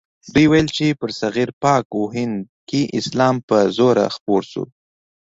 دوی ویل چې برصغیر پاک و هند کې اسلام په زور خپور شو.